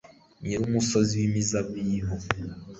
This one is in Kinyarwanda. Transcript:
Nyirumusozi wimizabibu